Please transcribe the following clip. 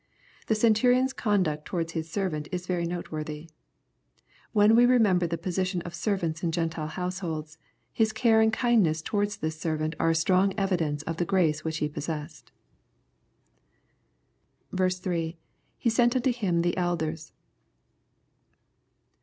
The Centurion's conduct towards his servant, is very noteworthy. When we remember the position of servants in Q entile households, his care and kindness towards this servant are a strong evidence of the grace which he possessed. 8. — [ffe sent unio him the elders.